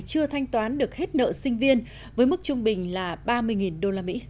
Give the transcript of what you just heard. chưa thanh toán được hết nợ sinh viên với mức trung bình là ba mươi usd